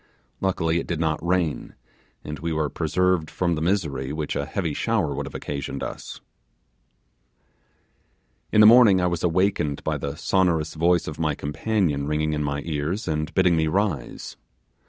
Luckily it did not rain, and we were preserved from the misery which a heavy shower would have occasioned us. In the morning I was awakened by the sonorous voice of my companion ringing in my ears and bidding me rise.